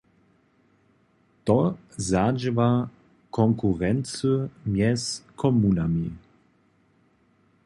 To zadźěwa konkurency mjez komunami.